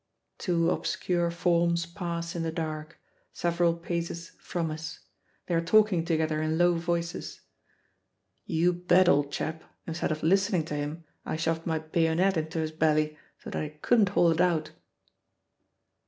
Two obscure forms pass in the dark, several paces from us; they are talking together in low voices "You bet, old chap, instead of listening to him, I shoved my bayonet into his belly so that I couldn't haul it out."